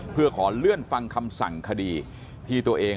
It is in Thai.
เพื่อขอเลื่อนฟังคำสั่งคดีที่ตัวเอง